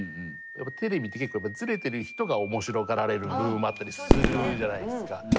テレビって結構ズレてる人が面白がられる部分もあったりするじゃないですか。